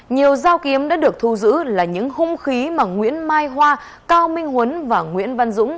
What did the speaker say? nhiều dao kiếm đã được thu giữ là những hung khí mà nguyễn mai hoa cao minh huấn và nguyễn văn dũng